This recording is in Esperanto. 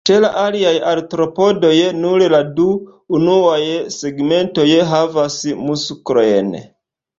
Ĉe la aliaj Artropodoj, nur la du unuaj segmentoj havas muskolojn.